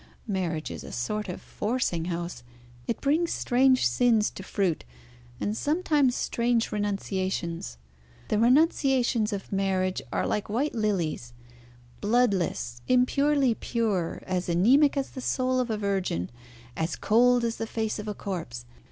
Marriage is a sort of forcing house. It brings strange sins to fruit, and sometimes strange renunciations. The renunciations of marriage are like white lilies bloodless, impurely pure, as anæmic as the soul of a virgin, as cold as the face of a corpse.